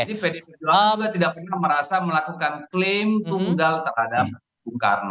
jadi vdp jura juga tidak pernah merasa melakukan klaim tunggal terhadap bung karno